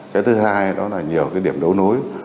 cái thứ hai đó là nhiều cái điểm đấu nối